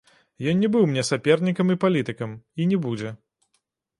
Ён не быў мне сапернікам і палітыкам, і не будзе.